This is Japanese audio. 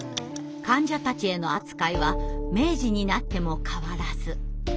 患者たちへの扱いは明治になっても変わらず。